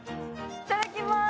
いただきます。